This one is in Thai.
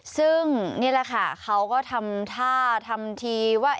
ซึ่งนี่แหละค่ะเขาก็ทำท่าทำทีว่า